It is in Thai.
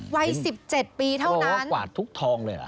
วัย๑๗ปีเท่านั้นกวาดทุกทองเลยเหรอ